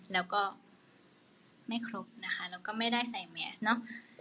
แล้วก็ไม่ครบนะคะแล้วก็ไม่ได้ใส่แมสเนอะ